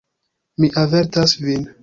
Mi avertas vin.